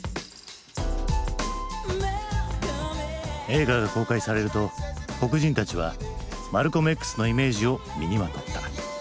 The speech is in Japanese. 映画が公開されると黒人たちはマルコムＸのイメージを身にまとった。